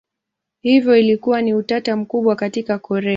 Hivyo kulikuwa na utata mkubwa katika Korea.